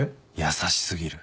優し過ぎる